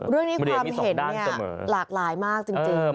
เรื่องนี้ความเห็นหลากหลายมากจริง